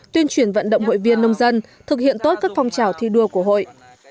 tuyên truyền vận động hội viên nông dân thực hiện tốt các phong trào thi đua của hội